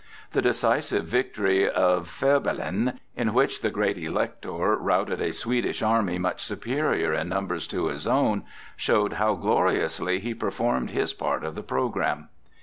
The decisive victory of Fehrbellin, in which the great Elector routed a Swedish army much superior in numbers to his own, showed how gloriously he performed his part of the programme.